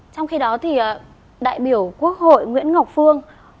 trong khi đó thì đại biểu quốc hội nguyễn ngọc phương